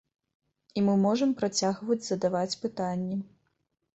І мы можам працягваць задаваць пытанні.